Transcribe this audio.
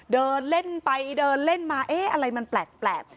เดินเล่นไปเดินเล่นมาเอ๊ะอะไรมันแปลก